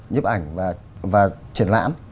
nhấp ảnh và triển lãm